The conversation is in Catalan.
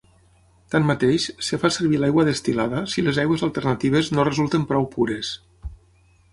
Tanmateix, es fa servir l'aigua destil·lada si les aigües alternatives no resulten prou pures.